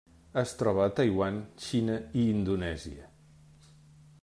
Es troba a Taiwan, Xina i Indonèsia.